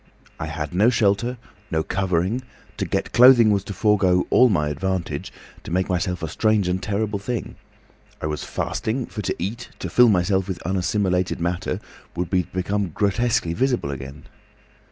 I had no shelter—no covering—to get clothing was to forego all my advantage, to make myself a strange and terrible thing. I was fasting; for to eat, to fill myself with unassimilated matter, would be to become grotesquely visible again."